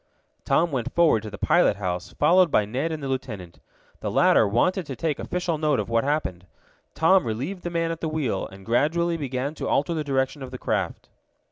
Tom went forward to the pilot house, followed by Ned and the lieutenant. The latter wanted to take official note of what happened. Tom relieved the man at the wheel, and gradually began to alter the direction of the craft.